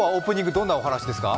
どんなお話ですか。